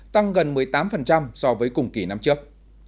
tăng gần một mươi tám so với cùng kỳ năm trước